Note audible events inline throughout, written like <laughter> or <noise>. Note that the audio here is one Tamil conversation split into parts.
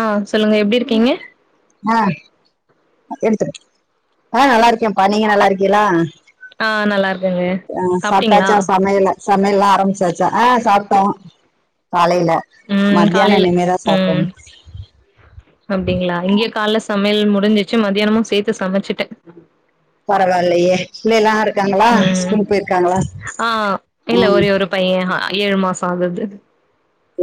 ஆ சொல்லுங்க எப்டி இருக்கீங்க ஆ எடுத்துரு ஆ நல்லா இருக்கேம்பா நீங்க நல்லா இருக்கீகளா ஆ நல்லா இருக்கேங்க அ சாப்ட்டீங்களா சாப்டாச்சா சமயல சமையல்லா ஆரம்பிச்சாச்சா ஆ சாப்ட்டோம் காலைல ம் மத்யானோ காலைல இனிமேதா ம் சாப்பனும் அப்டிங்களா இங்க கால்ல சமயல் முடிஞ்சிச்சு மதியானமு சேத்து சமச்சுட்ட பரவாயில்லையே பில்லைலா இருக்காங்களா ம் ஸ்கூல் போயிருக்காங்களா ஆ இல்ல ம் ஒரே ஒரு பைய ஏழு மாச ஆகுது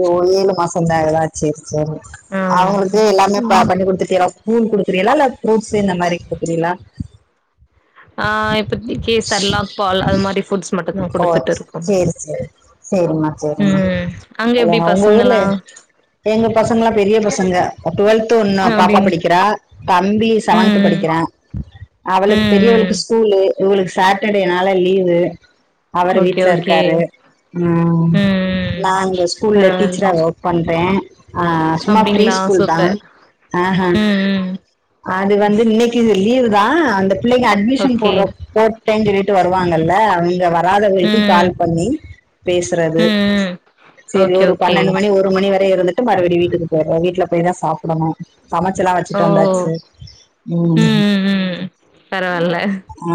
ஓ ஏழு மாசந்தாகுதா செரி செரி ஆ அவுங்களுக்கு எல்லாமே பா பண்ணி கொடுத்திட்டிகளா கூல் கொடுக்குறீகளா இல்ல ஃப்ரூட்ஸ் இந்த மாரி கொடுக்குறீகளா ஆ இப்பதிக்கி செர்லாக் பால் அது மாரி புட்ஸ் மட்டுதா குடுத்துட்டு இருக்கோ செரிமா செரிமா ம் அங்க அ எப்டி உங்க ஊர்ல பசங்களா எங்க பசங்க லா பெரிய பசங்க டுவெல்த் ஒன்னு பாப்பா அப்டிங் படிக்கிறா தம்பி செவன்த் ம் ம் படிக்கிறா அவளுக்கு ம் ம் பெரியவளுக்கு ஸ்கூலு இவளுக்கு சாட்டர்டேனால லீவு அவரு ஓகே வீட்டுல ஓகே இருக்காரு உம் ம் ம் நாங்க ஸ்கூல்ல டீச்சரா பரவால்ல வொர்க் பண்றே ஆ சும்மா ப்ரீ அப்டிங்களா ஸ்கூல் தா சூப்பர் ஆ ஹா ம் ம் அது வந்து இன் இது லீவு தா அந்த பிள்ளைங்க அட்மிஷன் ஓகே போடுற போட்டேன்னு சொல்லிட்டு வருவாங்கல்ல அவங்க வராதவகளுக்கு ம் கால் பண்ணி பேசுறது ம் ம் செரி ஓகே ஒரு ஓகே பன்னெண்டு மணி ஒரு ஒரு மணி வரை இருந்துட்டு மறுபடி வீட்டுக்கு போய்டுவ வீட்டுல போய் தா சாப்டணும் சமச்சலா ஓ சிட்டு வந்தாச்சு ம் பரவால்ல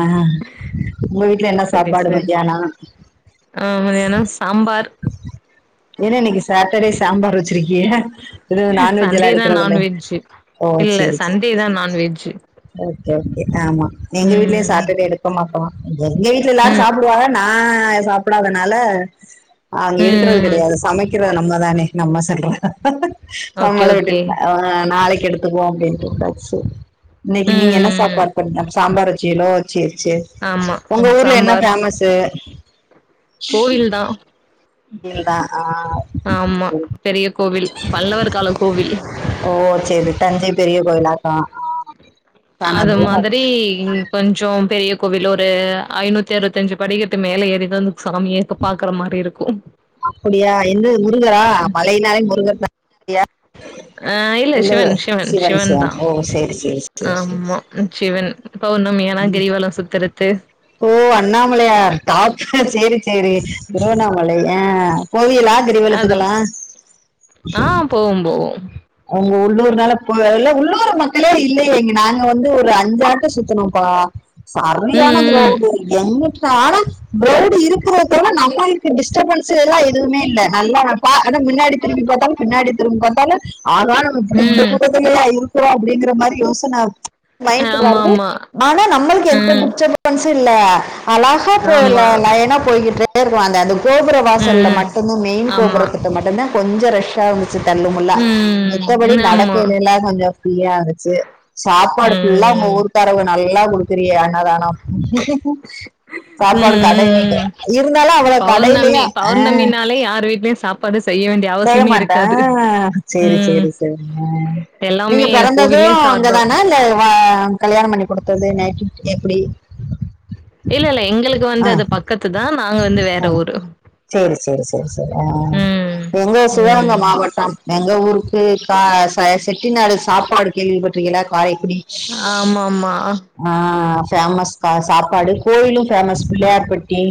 ஆ உங்க வீட்ல என்ன சரி சாப்பாடு சரி மத்தியானோ ஆ மதியானோ சாம்பார் என்ன இன்னைக்கு சாட்டர்டே சாம்பார் வச்சிருக்கிய இது நான்வெஜ் எல்லா சண்டே தா எடுக்கறதில்ல நான்வெஜ்ஜு ஓ இல்ல செரி செரி சண்டே தா நான்வெஜ்ஜு ஓகே ஓகே ஆமா எங்க வீட்லயு ம் சாட்டர்டே எடுக்கமாட்டோ எங்க வீட்டுல எல்லாரு ம் சாப்பிடுவாங்க நா சாப்பிடாதனால அவங்க எடு ருக்ரது ம் கிடையாது சமைக்கிறது நம்மதானே நம்ம சொல்ற ஓகே <unintelligible> விட்டு ஓகே ஆ ஆ நாளைக்கெடுத்துக்குவோ அப்படின்னுட்டு உட்டாச்சு இன்னைக்கு ம் நீங்க என்ன ம் ம் சாப்பாடு பண்ண சாம்பார் வச்சீங்களோ சேரி சேரி ஆமா உங்க ஊர்ல என்ன சாம்பார் ஃபேமஸ் து கோவில் தா ல்தா ஆ ஆமா பெரிய கோவில் பல்லவர் கால கோவில் ஓ சரி தஞ்சை பெரிய கோயிலாக்கா அது மாதிரி கொஞ்சோ பெரிய கோவில் ஒரு ஐநூத்தி அறுவத்தஞ்சு படிக்கட்டு மேல ஏறிதான் சாமியே கும் பாக்குற மாரி இருக்கூ அப்படியா என்னது முருகரா மழையினாலே முருகர் தா இல்லியா ஆ இல்ல சிவன் சிவன் சிவன் தா ஓ சேரி சேரி சேரி சேரி ஆமா சிவன் பௌர்ணமி ஆனா கிரிவலம் சுத்துறது ஓ அண்ணாமலையார் காப் சேரி சேரி திருவண்ணாமலை அ அது ஆ போவோம் போவோம் உங்க உள்ளூர்னால போல்ல உள்ளூரு மக்களே இல்லையேங்க நாங்க வந்து ஒரு அஞ்சு ஆட்ட சுத்தனோம்ப்பா சரியான ம் கிரௌடு எங்குட் ஆனா போர்டு இருக்கறத நம்மளுக்கு டிஸ்டர்பன்ஸ் எல்லா எதுவுமே இல்ல நல்லா பா அதா முன்னாடி திரும்பி பார்த்தாலு பின்னாடி திரும்பி பார்த்தாலு அதா நமக்கு ம் இந்த ம் கூட்டத்துலயா இருக்குரோ அப்படிங்கிற மாதிரி யோசன மைண்டுக்கு ஆமா வருது ஆனா நம்மளுக்கு எந்த டிஸ்டபன்ஸு இல்ல அழகா ஆமா போயிருலா லைனா போய்கிட்டு <unintelligible> அந்த கோபுர வாசல்ல ம் மட்டுதா மெயின் ஆமா ம் ம் ஆமா கோபுரத்திட்ட மட்டுதா கொஞ்சோ ரஷ்ஷா தள்ளுமுல்லா ம் மத்தபடி ஆமா நடக்கய்லல்ல கொஞ்சோ ஃப்ரீயா இருக்கு சாப்பாடு ஃபுல்லா உங்க ம் ஊரு காரவுங்க நல்லா குடுக்குறியா அன்னதானோ ம் ம் ம் அவ்வளோ பௌர்ணமி கடையிலயும் ஆ பௌர்ணமினாலே யார் வீட்லயு சாப் படு செய்ய வேண்டிய செய்ய அவசியமே மாட்ட இருக்காது சரி ம் சரி சரி அ நீங்க எல்லாமே பிறந்தது கோவிலே இங்க சார்பா தானா இல்ல கல்யாண பண்ணி குடுத்தது நேட்டிவிட்டி எப்டி இல்ல இல்ல எங்களுக்கு வந்து அது பக்கத்து தா நாங்க வந்து வேற ஆ, ஊரு சரி சரி சரி ஆ ம் எங்க சிவகங்க ம் மாவட்ட எங்க ஊருக்கு கா செட்டி நாடு சாப்பாடு கேள்விப்பட்டுருக்கீங்களா காரைக்குடி ஆ மா மா ஆ ஃபேமஸ் சாப்பாடு கோயிலு ஃபேமஸ் பிள்ளையார்பட்டி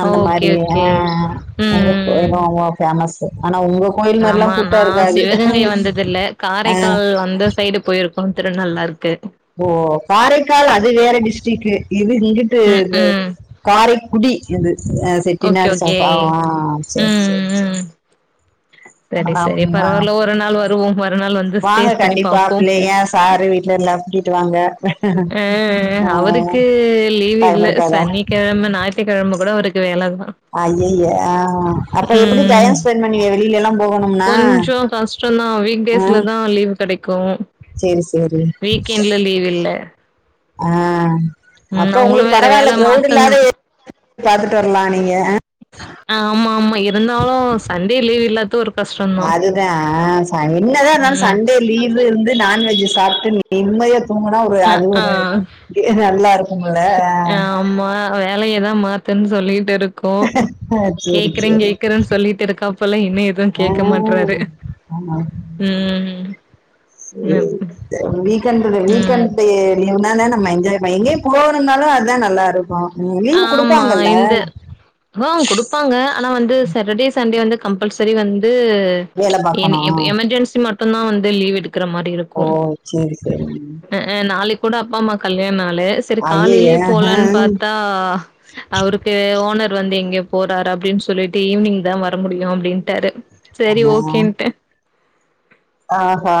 அந்த ஓகே மாரி ஆ ஓகே எங்க ம் ஃபேமஸ் ஸு ஆனா உங்க கோயில் ஆமா மாதிரிலாம் நா கூட்டம் இருக்காது சிவகங்கை வந்தது இல்ல ஆ, காரைக்கால் வந்து சைடு போயிருக்கோ திரு நல்லாருக்கு ஓ காரைக்கால் அது வேற டிஸ்ட்ரிக்கு இது இங்குட்டு ம் இது ம் காரைக்குடி இது ஓகே செட்டினாடு ஓகே சாப்பா ஆ சரி சரி ம் ம் சரி சரி ஆமா. பரவால்ல ஒரு நாள் வருவோ ஒருநாள் வந் வாங்க கண்டிப்பா பிள்ளைங்க சாரு வீட்ல எல்லா கூட்டிட்டு வாங்க அ ஆ அவருக்கு லீவ் டைம் இல்ல இருக்காதா சனி கிழம ஞாயித்துக்கிழம கூட அவருக்கு வேல தா ஐயய்ய ஆ அப்ப எப்டி ம் டைம் ஸ்பெண்ட் பண்ணுவிங்க வெளிலல்லா கொஞ்சோ கஷ்ட தா ஆ வீக்டேஸ்ல தா லீவ் கிடைக்கு சேரி சேரி வீக்கெண்ட்ல லீவ் இல்ல ஆ ம் அப்ப அவங்களு உங்களுக்கு வேற வேல பரவால்ல கிரௌட் இல்லாத மாத்துங்கன்னு பாத்துட்டு வரலா நீங்க ஆமா மா எப் இருந்தாலு சண்டே லீவ் இல்லாத்து ஒரு கஸ்டந்தா அதுதான் ஆ என்னதான் ம் இருந்தாலும் சண்டே லீவ் இருந்து நான்வெஜ் சாப்ட்டு நிம்மதியா தூங்னா ஒரு அ அது ஒரு ஆ நல்லா இருக்கும்ல அ அம்மா வேலையதா மாத்துன் சொல்லிட் இருக்கோ ஆ சேரி கேக்ற சேரி கேக்ற சொல்லிட்டு இருக்காப்பல இன்னு எது ஆ கேக்க மாட்றாரு ஆமா ம் ம் வீக்கெண்ட்ல ம். வீக்கெண்ட் லீவ்னா நம்ம என்ஜாய் பண்ண எங்கெயு போறந்தாலு அதா நல்லாருக்கு லீவ் குடுப்பாங்கல்ல ஹா குடுப்பாங்க ஆனா வந்து சாட்டர்டே சண்டே வந்து கம்பல்சரி வந்து வேலை என் எ பாக்கணும் எமர்ஜென்சி மட்டுந்தா வந்து லீவ் எடுக்ற மாரி இருக் ஓ சரி சரிங் அ அ நாளைக் கூட அப்பா அம்மாக் கல்யாண நாளு சரி காலைலயே ஐயய்ய போலான் பாத்தா அவருக்கு ஓனர் வந்து எங்கெயோ போறாரு அப்படின் சொல்லிட்டு ஈவ்னிங்தா வர முடியு அப்டின்ட்டாரு சரி ஓகேன்ட்ட ஆஹா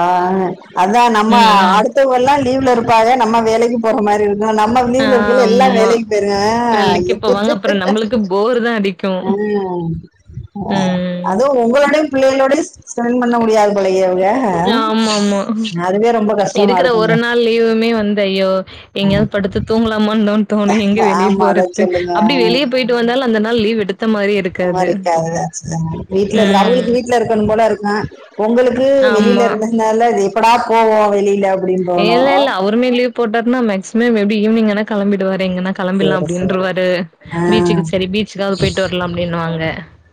அதா நம்ம ம் ம் அடுத் மித்தவ்கல்லா லீவ்ல இருப்பாக நம்ம வேலைக்கு போற மாரி இருக்கு நம்ம லீவுல இருக்கைல எல்லா ஆமா. வேலைக்கு போயிரு வெள்ளைக்கு போவாங்க அப்புறோ நம்மளுக்கு போர் தா அடிக் அ ம் அதுவு ஒங்களோடயு பிள்ளையளோடயு ஸ்பென் பண்ண முடியாது போலயே இவுக ஆ மா மா கஷ்டமா இருக்கற ஒரு இருக்குங்க நாள் லீவுமே வந்து ஐயோ ஆ. எங்கயாவது படுத்து தூங்கலாமாந்தாதோனு எங்க வெளிய ஆமா அதா போறது சொல்லுங்க அப்டி வெளிய பெய்ட் டு வந்தாலு அந்த நாள் லீவ் எடுத்த மாரி எடு <unintelligible> வீட்ல இரு ம் அவகளுக்கு வீட்ல இருக்கனும் போல இருக்கு ஒங்களுக்கு க்கு வெளில ஆமா. இருந்த நால இது எப்படா போவோ வெளில அ இல்ல இல்ல அவுருமே லீவ் போட்டார்னா மேக்சிமம் எப்டி ஈவினிங் ஆனா கெளம்பிடுவாரு எங்கனா. கெளம்பில்லா சேரி சேரி அப்டின்ருவாரு ஆ பீச்சுக்கு செரி பீச்சுக்காவ்து போயிட்டு வர்லா அப்டின்னுவாங்க.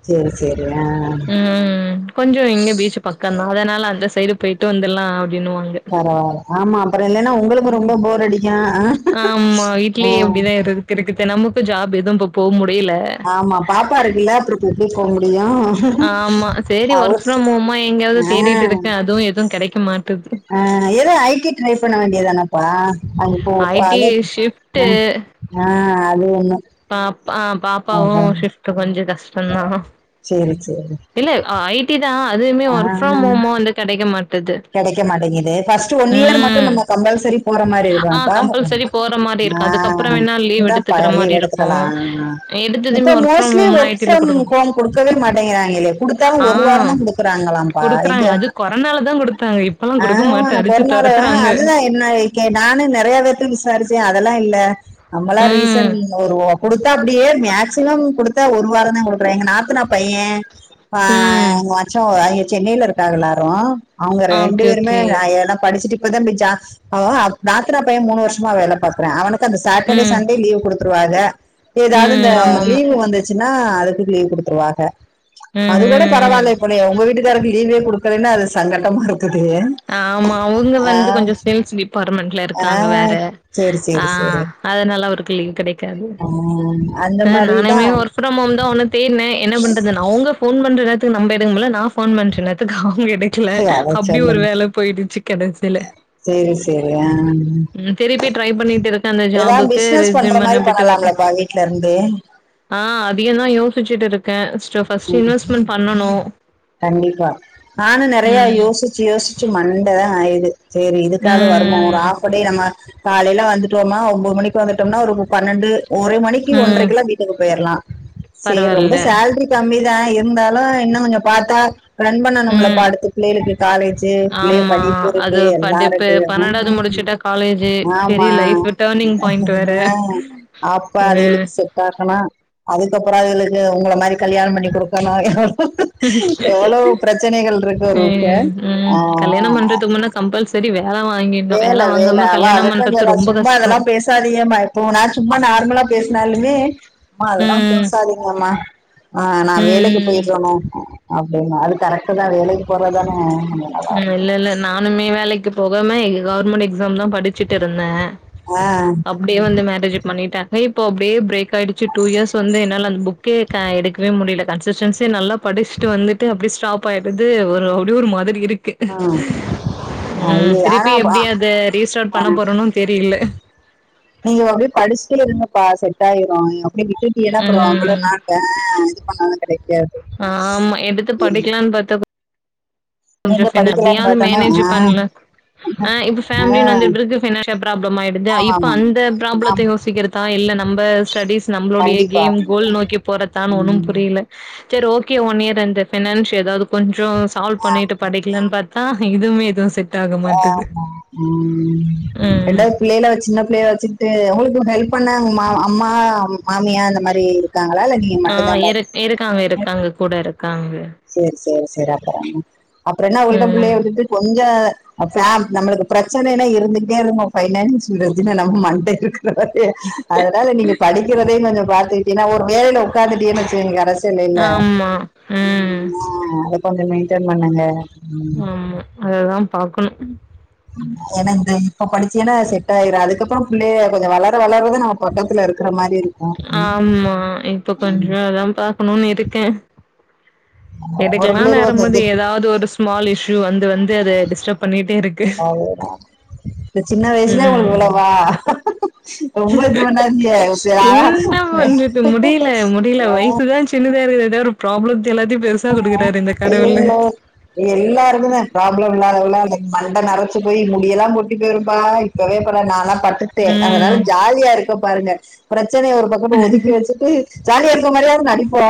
செரி செரி அ. கொஞ்சொ இங்க பீச்சு பக்கந்தா அதனால அந்த சைடு பெயிட்டு வந்துல்லா அப்டின்னுவாங்க. பரவால ஆம்மா அப்பற இல்லன்னா உங்குளுக்கு ரொம்ப போர் அடிக்கு அ ம். இதுக்கு தெனமு இப்ப ஜாப் எது இப்போ போ முடில. ஆமா பாப்பா இருக்குல்ல அப்று ஆம்மா சேரி அவ ஒர்க் ஃப்ரம் ஹோம்மா எங்கயாவ்து தேடிட்டு இருக்கே அதுவு எதுவு கெடைக்கமாட் டுது. அ எது ஐ டி ட்ரை பண்ண வேண்டியதானப்பா அங்க போ ஐ பா டி அது ஷிஃப்ட்டு அ அ அது ஒன்னு. பாப் ஆ பாப்பாவு ஷிஃப்ட் கொஞ்சொ கஷ்டந்தா. சரி சரி இல்ல அ ஐ டி தா அதுவுமே ஒர்க் ஃப்ரம் ஹோமொ வந்து கெடைக்க மாட்டுது. கெடைக்க மாட்டிங்கிது ஃபஸ்ட்டு ஒன் இயர் மட்டு ம் நம்ம கம்பல்செரி போற மாரி ஆ இருக்காப்பா? கம்பல்சரி போற மாரி ஆ இருக்கு அதுக்கப்புறம் வேணா லீவ் இந்தாப்பா எடுத்துக்கிற மாரி லீவு எடுத்துக்கலா இருக்கும் அ. இப்ப எடுத்ததுமே ஒர்க் ஃப்ரம் மோஸ்ட்லி ஹோம்னா ஐ ஒர்க் டில ஃப்ரம் குடுக்க மாட் ஹோம் குடுக்கவே மாட்டிங்கிறாய்ங்களே குடுத்தாலு ஆ ஒரு வாரந்தா குடுக் க்குறாங்களாப்பா எங்க கொரனால தா குடுத்தாங்க இப்பெல்லா குடுக்க ஆமா மாட்டா அடிச்சு கொரோனால தொரத்துறாங்க. அதுதான் என்ன இக்கே நானு நெறைய பேர்ட்ட விசாரிச்சே அதெல்லா இல்ல நம்மளா ம் ரீசன் ஒரு வ குடுத்தா அப்டியே மேக்சிமம் குடுத்தா ஒரு வாராந்தா குடுக்கறா எங்க நாத்தனா பைய ஆ ம் எங்மச்சோ அவிங்க சென்னைல இருக்காக எல்லாரு அவுங்க ஆ ரெண்டு ஓகே பேருமே ஓகே க எ ன படிச்சுட்டு இப்பதாம் பொய் ஜா அவோ அவ் நாத்தனாப் பைய மூணு வருஷ்மா வேல பாக்குறா அவனுக்கு அந்த சாட்டடே ம் சண்டே லீவ் குடுத்து ருவாக எதாவுது இந்த ம் ஆமா ஆமா லீவு வந்துச்சுன்னா அதுக்கு லீவ் குடுத்துருவாக. ம் அது கூட ம் ம் பரவால்யே போலயே உங்க வீட்டுக்காருக் லீவே குடுக்கலேன்னா அது சங்கட்டமா இருக்குது. ஆமா அவுங்க ஆ வந்து கொஞ்சோ சேல்ஸ் டிபாட்மெண்ட்ல ஆ இருக்காங்க வேற சேரி ஆ சேரி சேரி அதுனால அவுருக்கு லீவு கிடைக்காது. ஆ அந்த ம் மாரிதா நானுமே ஒர் க் ஃப்ரம் ஹோம் தா ஒன்னு தேட்னே என்ன பண்றது அவுங்க ஃபோன் பண்ற நேரத்துக்கு நம்ப எடுக்கமுட்ல நா ஃபோன் பண்ற நேரத்துக் அவுங்க எடுக்ல அத அப்டி ஒரு சொல்லுங்க வேல போயிடுச்சு கடைசில. சேரி சேரி ஆ ம் திருப்பி ட்ரை பண்ணிட்டு இருக்கே அந்த எதா ஜாபுக்கு பிசினஸ் பண்ற ரெஸ்யூம் மாரி அனுப்பிட்டு வர்ல பண்ணலாம்லபா வீ ட்லருந்தே. ஆ அதியுந்தா யோசிச்சுட்டு இருக் கே ஸ்ட்டு இன்வெஸ்ட்மென் பண்ணனு ம். ச்சு யோசிச்சு மண்டதா காய்து செரி இதுக்காது வருவோ ஒரு ம் ஆஃப்டே நம்ம காலைல வந்துட்டோம்மா ஒம்போது மணிக்கு வந்துட்டம்னா ஒரு ப பன்னெண்டு ஒரு மணிக்கி ம் ம் ஒன்ரைக்கெல்லா வீட்டுக்கு போயிர்லா. சேர் ரொம்ப பரவால்ல சேல்ரி கம்மிதா இருந்தாலு இன்னு கொஞ்சோ பாத்தா ரன் பண்ணனும்லப்பா ம் அடுத்து பிள்ளைளுக்கு காலேஜு பிள்ளைக ஆமா. படிப்பு இருக்கு அது படிப்பு எல்லாருக்கு அ ஹு முடிச்சுட்டா காலேஜு ஆமா பெரிய லைஃப் டர்னிங் பாயிண்ட் வேற. அ அப்ப அ அதுகளுக்கு செ ட்டாகணு அதுக்கப்புறோ அதுகளுக்கு உங்கள மாரி கல்யாணம் பண்ணி குடுக்கணு. எவ்வளவு பிரச்சனைகள் இருக்கு ஒருக்கு ஆ த்துக்முன்ன கம்பல்செரி வேல வா வேல வேல அவ அதத்தா சொல்றா ரொம்ப சும்மா கஷ்டோ. இதெல்லா பே சாதியம்மா இப்போ நா சும்மா நார்மலா பேசுனாலுமே மா அதெல்லாம் ம், பேசாதீங்கம்மா ஆ நா வேலைக்கு ம். போய்க்கணு. அப்டின்னா அது கரக்ட்டுதா வேலைக்கு போறத்தானே கொஞ்சோ ம் நல்லாருக்கு. இல்ல, இல்ல. நானுமே வேலைக்கு போகாம இங்க கவுர்மெண்ட் எக்ஸாம் தா படிச்சுட்டு இருந்தே. அ ப்டியே வந்து மேரேஜ் பண்ணிட்டாங்க இப்போ அப்டியே பிரேக் ஆயிடுச்சு டூ இயர்ஸ் வந்து என்னால அந்த புக் கே க எடுக்வே முடில கன்சஸ்டன்சிய நல்லா படிச்சுட்டு வந்துட்டு அப்டி ஸ்டாப் ஆயிடுது ஒரு அப்டி ஒரு மாதிரி இருக்கு ஆ ம் ஐய திருப்பி ஆனா எப்டி அத ரீஸ்டார்ட் பண்ண ஆ போறன்னு தெரில நீங்க அப்டியே படிச்டே இருங்கப்பா செட் ஆயிரு நீ விட்டுட்டீனா அப்றோ அவ்ள ம் நாள் இது பண்ணாலு கிடைக்காது ஆமா எடுத்து படிக்கலான் பாத்தா கொஞ்சோ நீங்க ஃபினா படிக்கலாம்னு அதயாவது பார்த்தானா மேனேஜ் ஆஹ் பண்ல இப்ப ஃபமிலின் வந்த ஆஹ் பிறகு பினன்ஷியல் ப்ராப்லம்மாய்டுதா ஆமா இப்ப ஆமா அந்த ப்ராப்ளத்த ஆமா யோசிக்கிற தா இல்ல நம்ம ஸ்டடிஸ் நம்மளுடைய கண்டிப்பா கேம் கோல் நோக்கி போறதான் ஒண்ணு உம் புரியல சரி ஓகே ஒன் இயர் இந்த பினான்ஸ் ஏதாவது கொஞ்சோ சால்வ் பண்ணிட்டு படிக்கலான் பாத் ஆ இதுவுமே எதுவு செட் ஆக மாட்டுது ஆமா ம் ம் ரெண்டாது பிள்ளைல வச்சு சின்ன பிள்ளை வச்சு ட்டு உங்களுக்கு ஹெல்ப் பண்ண உங்க அம்மா மாமியா அந்த மாரி இருகாங்களா இல்ல நீ ஆ இரு இருக்காங்க இருக்காங்க கூட இருக்காங்க சரி சரி சரி அப்புறோ அப்றோ என்ன அவங்கள்ட ம் பிள்ளைய உட்டுட்டு கொஞ்ச அச்சா நம்மளுக்கு பிரச்சனைன்னா இருந்துக்கிட்டே இருக்கு பைனான்சியல் ரஜின மண்ட இருக்குல அதனால நீங்க படிக்கிறதையு கொஞ்சோ பாத்தக்கிட்டீன்னா ஒரு வேலைல உக்காந்துட்டிங்க வச்சிகங்க அரசு இல்லைல ஆமா ம் ஆ அத கொஞ்சோ மேய்ன்டேன் பண்ணுங்க ஆம்மா அததா பாக்கணு ஏன்னா இந்த இப்ப படிச்சியன்னா அது செட் ஆயிரு அதுக்கப்றோ பிள்ளைக கொஞ்சோ வளர வளரதா நம்ம பக்கத்துல இருக்கற மாரி இருக் ஆம்மா இப்ப கொஞ்சோ இதா பாக்கணுன் இருக்க ஒவ்வொரு எடுக்கலான் பிள்ளைகளுக்கு வரும்போது ஏதாவது ஒரு ஸ்மால் இஷ்யூ வந்து வந்து அத டிஸ்டர்ப் பண்ணிட்டே இருக்கு ஆ இந்த சின்ன வயசுலே உங்களுக்கு ம் இவ்ளவா ரொம்ப இது பண்ணாதீக ஓகே என்ன பண்றது முடியல முடியல ஆ வயசுதா சின்னதா இருக்கற ஏதா ஒரு ப்ராப்ளத்த எல்லாத்தையு பெருசா குடுக்குறாரு இந்த கடவுளு எல்லாருக்கு தா ப்ராப்ளம் இல்லாதவள மண்ட நெரச்சு போய் முடியெல்லா கொட்டி போய்ரு பாய் கவே பட நானா பட்டுட்டே அதனால ம் ஜாலியா இருக்க பாருங்க பிரச்சனைய ஒரு பக்கோட ஒதுக்கி வச்சுட்டு ஜாலியா இருக்க மாரியாது நடிப்போ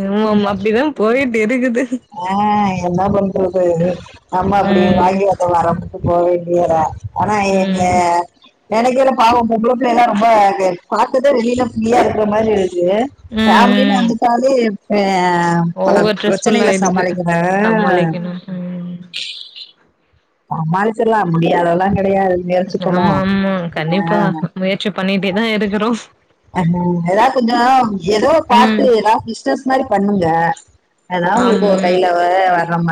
ம் ஆமா அப்டிதா போய்ட்டு இருக்குது ஆ என்ன பண்றது நம்ம அப்டி ம் வாங்கி வந்த வரோ அப்டின்டு போக வேண்டியதா ஆனா எங்க ம் ம் நனக்கைல பாவோ பொம்பள பிள்ளைலா ரொம்ப கொலக்குது வெளில ஃப்ரீயா இருக்க மாரி இருக்கு ஃபமிலின் ம் வந்துட்டாலே அ பல ஓவர் ப்ர ஸ்ட்ரெஸ்ஃபுல் ப்ரச்சனைகள ஆயிடுது சமாளிக்கனு அ சமாளிக்கணு ம் சமாளிச்சிரலா முடியாதெல்லா கடையாது ஆமா ஆமா கண்டிப்பா முயற்சி பண்ணிட்டேதா இருக்குறோ ஆமா அதா கொஞ்சோ ஏதோ ம் பாத்து எதா இஸ் பிஸ்னஸ் மாரி பண்ணுங்க அதா உங்ளுக்கு ஆமாம் கைல நம்ம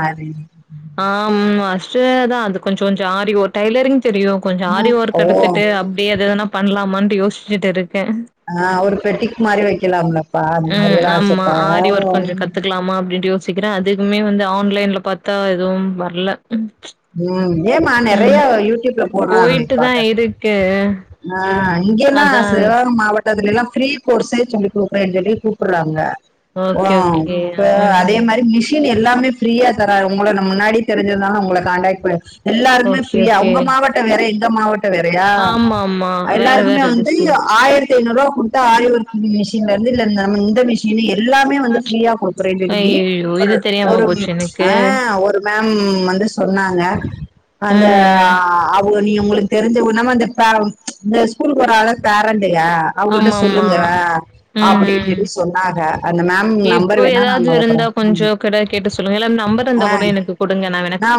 ஆமா அஸ்ட தா அது கொஞ்சோ ஜாரி ஓ டைலரிங் தெரியு கொஞ்சோ ஆனா ஆரி ஒர்க் ஓ எடுத்துட்டு அப்டியே அது வேனா பண்லாமான்ட்டு யோசிச்சுட்டு இருக்க ஆ ஒரு பெட்டிக் மாறி வைக்கலாம்ல ம் ஆமா ஆரி ஒர்க் கொஞ்சோ கத்துக்கலாமா அப்டின்ட்டு யோ சிக்கிற அதுக்குமே வந்து ஆன்லைன்ல பாத்தா எதும் வர்ல ம் ம் ஏமா நெறைய யூட்யூப்ல போட்றாங்களே பாத்த கே ஆ இங்கேனா சேலம் மாவட் டத்திலல்லா ஃப்ரீ கோர்ஸே சொல்லி குடுக்குறேன் சொல்லி கூப்டுறாங்க ஆ ஓகே ஓகே இப்ப அதே ம் மாரி மிஷ் ஷின் எல்லாமே ஃப்ரீயா தர அவங்கள நா முன்னாடி தெரிஞ்சுருந்தா நா உங்கள காண்டக்ட் ப எல்லாருமே ஓகே ஃப்ரீயா ஓகே உங்க மாவட்ட வேற எங்க மாவட்ட வேறயா ஆமா ஆமா வேற எல்லாருக்குமே வேற வந்து டிசைன் ஆயிரத்தி ஐநூறுவா குடுத்தா ஆரி ஒர்க் மிஷின்லேருந்து இல்ல நம்ம இந்த மிஷ் ஷினு எல்லாமே வந்து ஃப்ரியா குடுக்குறேனு அய்யய்யோ! ஒரு இது தெரியாம ஒரு போச்சு எனக்கு. ஆ ஒரு மேம் வந்து சொன்னாங்க அந்த ம் ஆ ஓ நீ உங்களுக்கு தெரிஞ்சவுங்கல்லாம இந்த பே இந்த ஸ்கூலுக்கு போறால்ல பேரண்ட்டுக அவுங்கள்ட்ட ஆமா ஆமா. சொல்லுங்க ம் அப்டின்னு ம். சொல்லி சொன்னாக அந்த மேம் நம்பர் வேணா நாங்க அனுப்புறோ கொஞ்ச கடைய கேட்டு சொல்லுங்க இல்ல நம்பர் இருந்தா கூட எனக்கு கொடுங்க நா வேணா